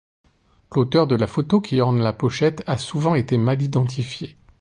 L'auteur de la photo qui orne la pochette a souvent été mal identifié.